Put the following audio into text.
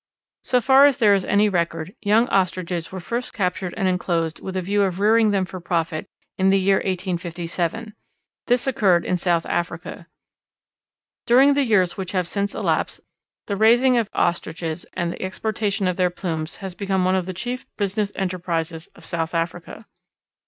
So far as there is any record, young Ostriches were first captured and enclosed with a view of rearing them for profit in the year 1857. This occurred in South Africa. During the years which have since elapsed, the raising of Ostriches and the exportation of their plumes has become one of the chief business enterprises of South Africa.